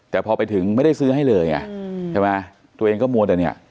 แต่พอไปถึงไม่ได้ซื้อให้เลยไงใช่ไหมตัวเองก็มัวแต่เนี่ย